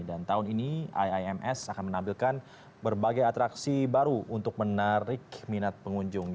dan tahun ini iims akan menampilkan berbagai atraksi baru untuk menarik minat pengunjung